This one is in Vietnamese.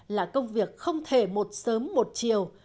là công việc không thể một sớm một chiều